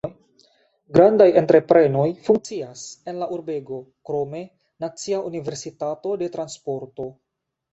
Grandaj entreprenoj funkcias en la urbego, krome Nacia Universitato de Transporto.